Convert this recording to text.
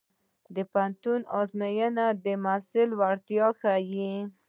د پوهنتون ازموینې د محصل وړتیا ښيي.